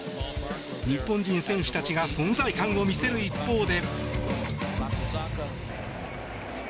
日本人選手たちが存在感を見せる一方で。